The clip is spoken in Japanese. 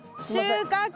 収穫！